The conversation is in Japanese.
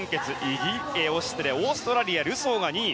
オーストラリアのルソーが２位。